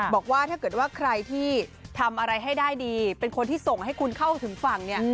บอกว่าถ้าเกิดว่าใครที่ทำอะไรให้ได้ดีเป็นคนที่ส่งให้คุณเข้าถึงฝั่งเนี่ย